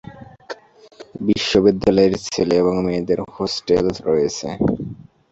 বিশ্ববিদ্যালয়ের ছেলে এবং মেয়েদের হোস্টেল রয়েছে।